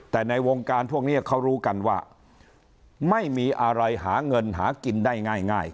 แต่ในวงการพวกนี้เขารู้กันว่าไม่มีอะไรหาเงินหากินได้ง่าย